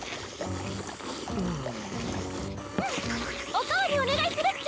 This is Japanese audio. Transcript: お代わりお願いするっちゃ。